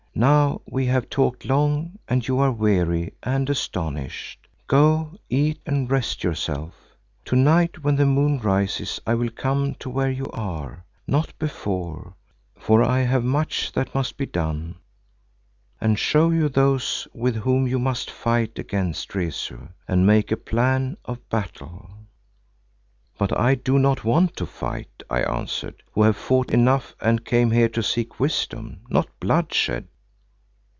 Now we have talked long and you are weary and astonished. Go, eat and rest yourself. To night when the moon rises I will come to where you are, not before, for I have much that must be done, and show you those with whom you must fight against Rezu, and make a plan of battle." "But I do not want to fight," I answered, "who have fought enough and came here to seek wisdom, not bloodshed."